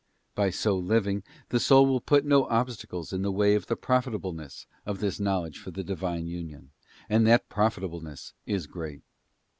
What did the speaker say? By so living, the soul will put no obstacles in the way of the profitableness of this knowledge for the Divine union: and that profitableness is great.